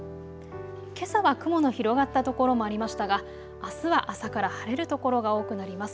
けさは雲の広がった所もありましたがあすは朝から晴れる所が多くなります。